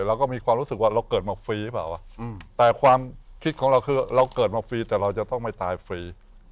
เราก็มีความรู้สึกว่าเราเกิดมาฟรีหรือเปล่าแต่ความคิดของเราคือเราเกิดมาฟรีแต่เราจะต้องไม่ตายฟรี